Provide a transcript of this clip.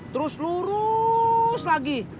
terus lurus lagi